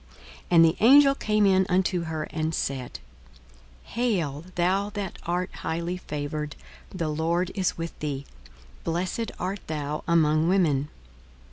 42:001:028 And the angel came in unto her, and said, Hail, thou that art highly favoured, the Lord is with thee: blessed art thou among women.